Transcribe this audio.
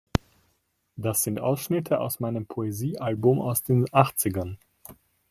Das sind Ausschnitte aus meinem Poesiealbum aus den achzigern.